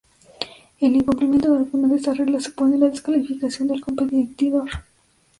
El incumplimiento de alguna de estas reglas supone la descalificación del competidor.